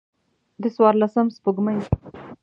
د څوارلسم سپوږمۍ